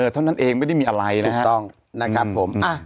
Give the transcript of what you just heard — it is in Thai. เท่านั้นเองไม่ได้มีอะไรนะฮะ